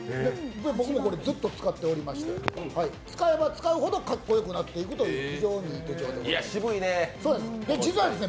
僕もずっと使っておりまして使えば使うほどかっこよくなっていくというものです。